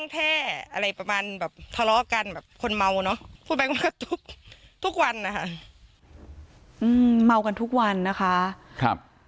เถอะเท่าพูดแบบนี้ทุกทุกวันค่ะอื้อเมากันทุกวันนะคะครับ